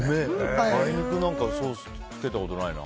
梅肉なんかつけたことないな。